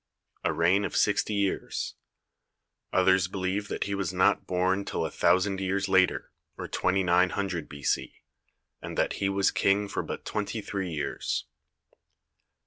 a reign of sixty years ; others believe that he was not born till a thousand years later, or 2900 B.C., and that he was King for but twenty three years.